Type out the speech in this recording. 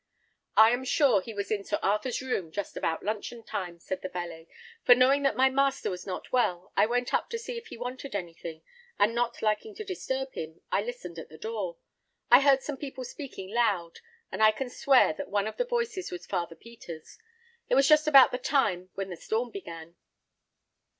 "I am sure he was in Sir Arthur's room just about luncheon time," said the valet; "for knowing that my master was not well, I went up to see if he wanted anything, and not liking to disturb him, I listened at the door. I heard some people speaking loud, and I can swear that one of the voices was Father Peter's. It was just about the time when the storm began."